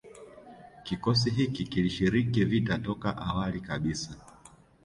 Kikosi hiki kilishiriki vita toka awali kabisa